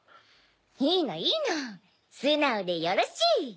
いいのいいの素直でよろしい！